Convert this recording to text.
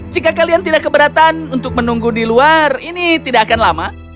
jika kalian tidak keberatan untuk menunggu di luar ini tidak akan lama